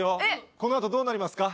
この後どうなりますか？